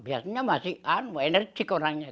biasanya masih anu energi